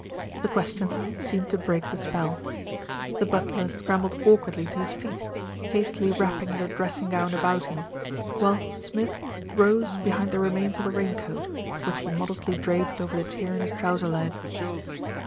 The question seemed to break the spell. The butler scrambled awkwardly to his feet, hastily wrapping the dressing gown about him, whilst Smith rose behind the remains of the rain coat, which he modestly draped over the tear in his trouser leg.